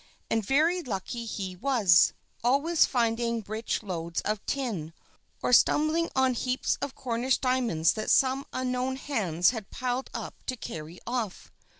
And very lucky he was, always finding rich lodes of tin, or stumbling on heaps of Cornish diamonds that some unknown hands had piled up to carry off.